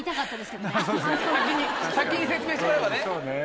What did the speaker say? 先に説明してもらえばね。